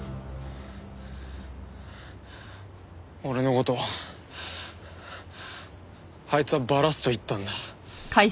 俺の事をあいつはバラすと言ったんだ。